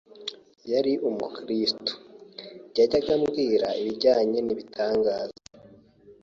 yari umukiristu. Yajyaga ambwira ibijyanye n’ibitangaza